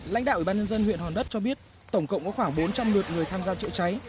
lãnh đạo ủy ban nhân dân huyện hòn đất cho biết tổng cộng có khoảng bốn trăm linh lượt người tham gia chữa cháy